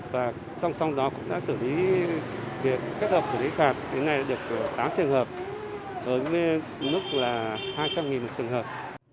và xong xong đó cũng đã xử lý việc kết hợp xử lý phạt đến nay đã được tám trường hợp với mức là hai trăm linh một trường hợp